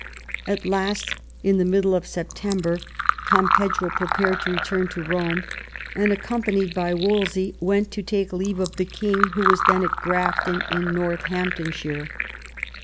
At last, in the middle of September, Campeggio prepared to return to Eome, and accompanied by Wolsey went to take leave of the king, who was then at Grafton in Northamptonshire.